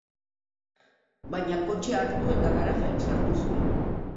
Baina kotxea hartu eta garajean sartu zuen.